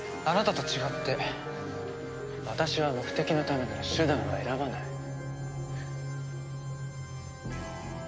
あなたと違って私は目的のためなら手段を選ばない。